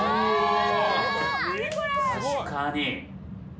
確かに！